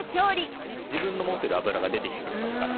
自分の持ってる脂が出てきてくれますから。